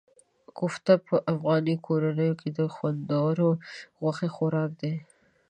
کوفته په افغاني کورنیو کې د خوندورو غوښې خوراک دی.